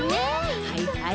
はいはい。